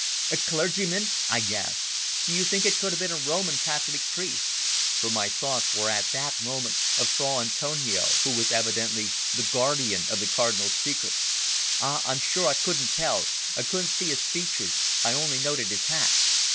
"A clergyman!" I gasped. "Do you think it could have been a Roman Catholic priest?" for my thoughts were at that moment of Fra Antonio, who was evidently the guardian of the Cardinal's secret. "Ah! I'm sure I couldn't tell. I couldn't see his features. I only noted his hat."